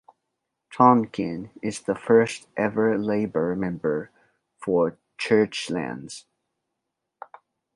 Tonkin is the first ever Labor member for Churchlands.